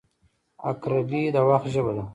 • عقربې د وخت ژبه ده.